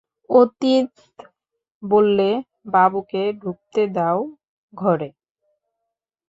অতীন বললে, বাবুকে ঢুকতে দাও ঘরে।